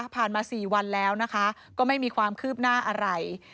มา๔วันแล้วนะคะก็ไม่มีความคืบหน้าอะไร